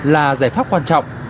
là giải pháp quan trọng